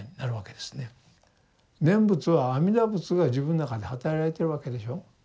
念仏は阿弥陀仏が自分の中ではたらいてるわけでしょう。